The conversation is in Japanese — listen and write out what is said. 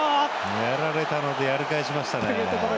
やられたのでやり返しましたね。